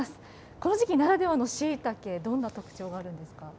この時期ならではのしいたけ、どんな特徴があるんですか？